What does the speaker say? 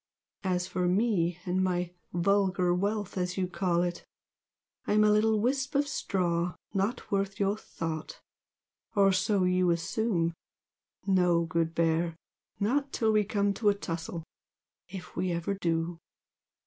As for ME and my 'vulgar wealth' as you call it, I'm a little wisp of straw not worth your thought! or so you assume no, good Bear! not till we come to a tussle if we ever do!"